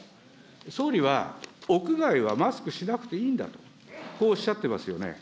総理は、屋外はマスクしなくていいんだと、こうおっしゃってますよね。